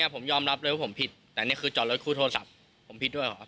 ผมยอมรับเลยว่าผมผิดแต่นี่คือจอดรถคู่โทรศัพท์ผมผิดด้วยเหรอครับ